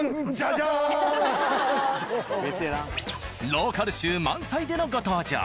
ローカル臭満載でのご登場。